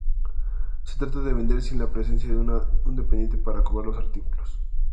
Se trata de vender sin la presencia de un dependiente para cobrar los artículos.